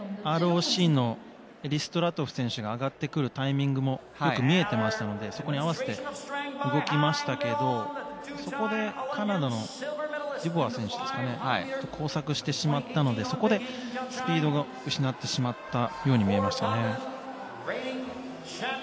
ＲＯＣのエリストラトフ選手が上がってくるタイミングもよく見えていましたのでそこに合わせて動きましたがそこでカナダのデュボワ選手と交錯してしまったのでそこでスピードを失ってしまったように見えました。